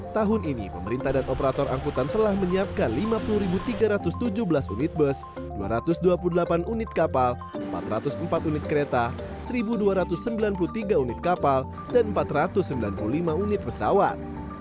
tahun ini pemerintah dan operator angkutan telah menyiapkan lima puluh tiga ratus tujuh belas unit bus dua ratus dua puluh delapan unit kapal empat ratus empat unit kereta satu dua ratus sembilan puluh tiga unit kapal dan empat ratus sembilan puluh lima unit pesawat